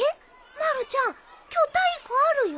まるちゃん今日体育あるよ。